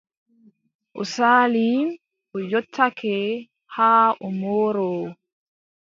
O saali, o yottake, haa o mooroowo.